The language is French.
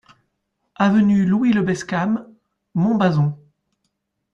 Avenue Louis le Bescam, Montbazon